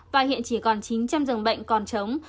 và hiện chỉ còn chín trăm linh giường bệnh còn chống